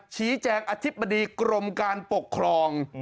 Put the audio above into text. ชี้แจงอธิบดีกรมการปกครอง